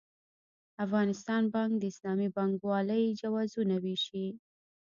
افغانستان بانک د اسلامي بانکوالۍ جوازونه وېشي.